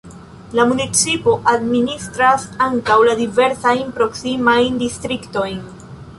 La municipo administras ankaŭ la diversajn proksimajn distriktojn.